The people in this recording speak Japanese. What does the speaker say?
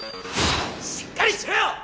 しっかりしろよ！